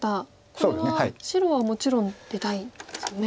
これは白はもちろん出たいですよね。